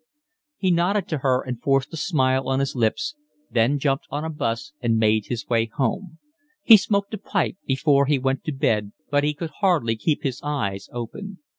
He nodded to her and forced a smile on his lips, then jumped on a 'bus and made his way home. He smoked a pipe before he went to bed, but he could hardly keep his eyes open.